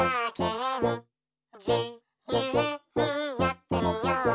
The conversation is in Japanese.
「じゆうにやってみよう」